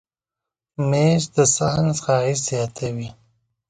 مېز د صحن ښایست زیاتوي.